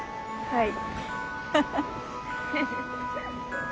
はい。